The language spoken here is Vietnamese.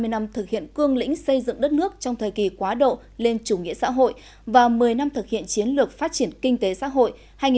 hai mươi năm thực hiện cương lĩnh xây dựng đất nước trong thời kỳ quá độ lên chủ nghĩa xã hội và một mươi năm thực hiện chiến lược phát triển kinh tế xã hội hai nghìn một mươi một hai nghìn một mươi